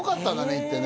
行ってね